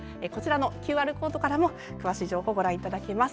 ＱＲコードからも詳しい情報をご覧いただけます。